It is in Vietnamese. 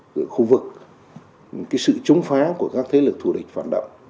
của khu vực cái sự trúng phá của các thế lực thủ địch phản động